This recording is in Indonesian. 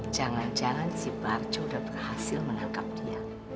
jangan jangan si parjo sudah berhasil menangkap dia